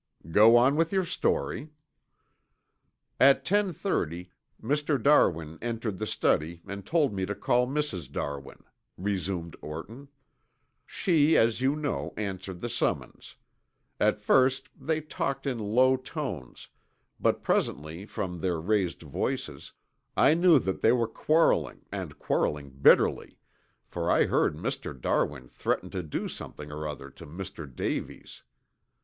"Go on with your story." "At ten thirty Mr. Darwin entered the study and told me to call Mrs. Darwin," resumed Orton. "She, as you know, answered the summons. At first they talked in low tones, but presently from their raised voices I knew that they were quarreling and quarreling bitterly, for I heard Mr. Darwin threaten to do something or other to Mr. Davies.